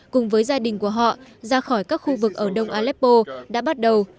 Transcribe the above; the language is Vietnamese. cùng với gia đình của họ ra khỏi các khu vực ở đông aleppo đã bắt đầu